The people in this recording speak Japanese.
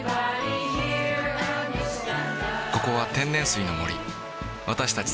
ここは天然水の森わたしたち